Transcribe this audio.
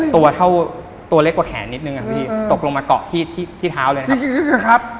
ตัวเล็กกว่าแขนนิดหนึ่งครับพี่ตกลงมาเกาะที่เท้าเลยนะครับ